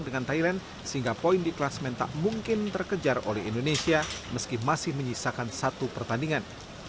dengan thailand singapoin di klasmen tak mungkin terkejar oleh indonesia meski masih menyisakan satu pertandingan